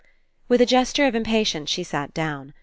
With a gesture of impatience she sat down.